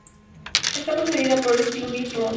Está precedida por Steel Ball Run.